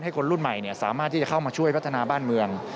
คนรุ่นใหม่สามารถที่จะเข้ามาช่วยพัฒนาบ้านเมือง